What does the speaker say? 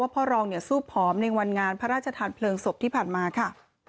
พ่อรองสู้ผอมในวันงานพระราชทานเพลิงศพที่ผ่านมาค่ะ